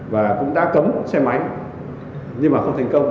và cũng đã cấm xe máy nhưng mà không thành công